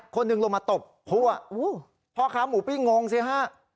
คนหนึ่งลงมาตบคั่วพ่อค้าหมูปิ้งงงสิฮะ